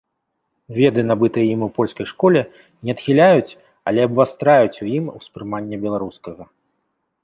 Веды, набытыя ім у польскай школе, не адхіляюць, але абвастраюць у ім успрыманне беларускага.